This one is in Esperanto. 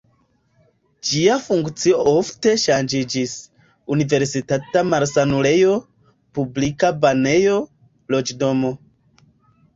Ĝia funkcio ofte ŝanĝiĝis: universitata malsanulejo, publika banejo, loĝdomo.